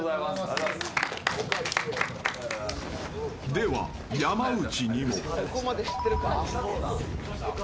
では、山内にも。